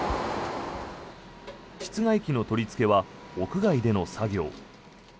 室外機の取りつけは屋外での作業。